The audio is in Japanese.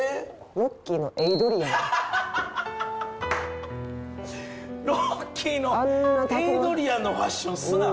『ロッキー』のエイドリアンのファッションすな！